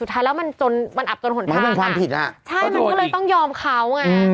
สุดท้ายแล้วมันจนมันอับจนหลังอ่ะเหมือนพิษอ่ะใช่แล้วมันก็เลยต้องยอมเขาอืม